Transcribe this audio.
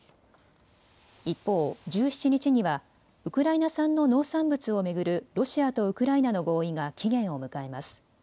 一方、１７日にはウクライナ産の農産物を巡るロシアとウクライナの合意が期限を迎えます。